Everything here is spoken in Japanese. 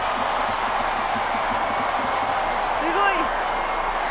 すごい！